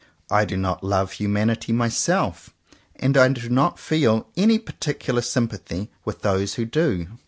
I do not love humanity myself; and I do not feel any particular sympathy with those who do.